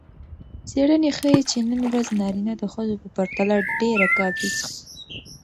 څیړنې ښيي چې نن ورځ نارینه د ښځو په پرتله ډېره کافي څښي.